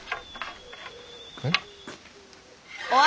えっ？